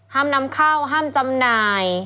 ห้ามนำเข้าห้ามจำหน่าย